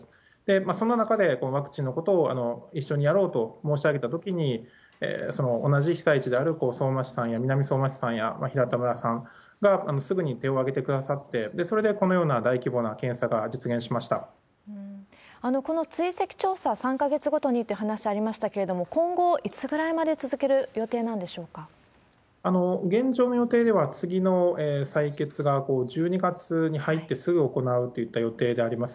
そんな中で、ワクチンのことを一緒にやろうと申し上げたときに、同じ被災地である相馬市さんや南相馬市さんや平田村さんが、すぐに手を挙げてくださって、それでこのような大規模な検査が実現しこの追跡調査、３か月ごとにっていう話ありましたけれども、今後、いつぐらいまで続ける予定現状の予定では、次の採血が１２月に入ってすぐ行うといった予定であります。